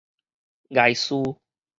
礙事